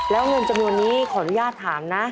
แล้วเงินจำนวนนี้ขออนุญาตถามนะ